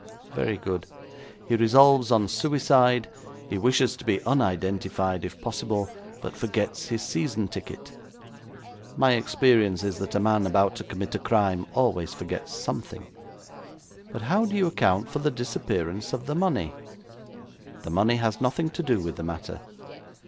Very good. He resolves on suicide. He wishes to be unidentified, if possible, but forgets his season ticket. My experience is that a man about to commit a crime always forgets something.' 'But how do you account for the disappearance of the money?' 'The money has nothing to do with the matter.